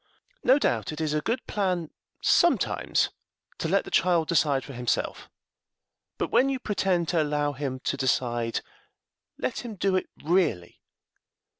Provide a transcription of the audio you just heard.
No doubt it is a good plan sometimes to let the child decide for himself, but when you pretend to allow him to decide let him do it really.